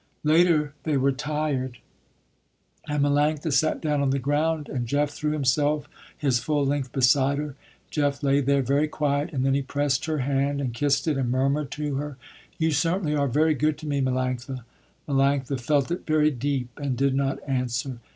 Later they were tired, and Melanctha sat down on the ground, and Jeff threw himself his full length beside her. Jeff lay there, very quiet, and then he pressed her hand and kissed it and murmured to her, "You certainly are very good to me, Melanctha." Melanctha felt it very deep and did not answer.